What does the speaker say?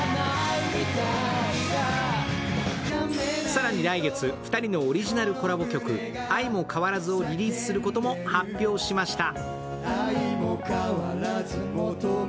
更に来月、２人のオリジナルコラボ曲「あいもかわらず」をリリースすることを発表しました。